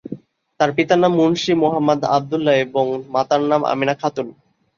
তার পিতার নাম মুন্সি মুহাম্মদ আব্দুল্লাহ এবং মাতার নাম আমেনা খাতুন।